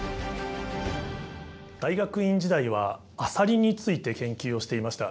大学院時代はアサリについて研究をしていました。